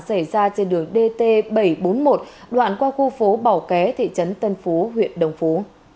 xảy ra trên đường dt bảy trăm bốn mươi một đoạn qua khu phố bảo ké thị trấn tân phú huyện đồng phú